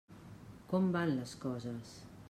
Com van les coses?